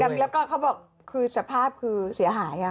แล้วก็เขาบอกคือสภาพคือเสียหาย